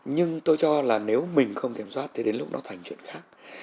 nhưng tôi cho là nếu mình không kiểm soát thì đến lúc nó thành chuyện khác